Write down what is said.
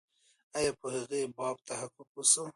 آیا په هغې باب تحقیق و سو؟